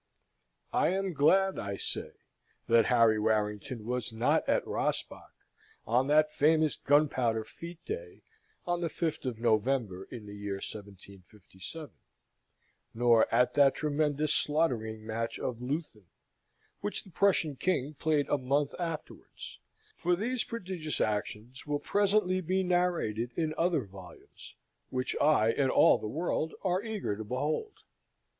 I am glad, I say, that Harry Warrington was not at Rossbach on that famous Gunpowder Fete day, on the 5th of November, in the year 1757; nor at that tremendous slaughtering match of Leuthen, which the Prussian king played a month afterwards; for these prodigious actions will presently be narrated in other volumes, which I and all the world are eager to behold.